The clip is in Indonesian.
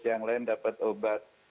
yang lain dapat obat